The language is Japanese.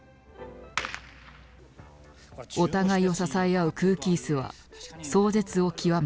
お互いを支え合う空気椅子は壮絶を極めた。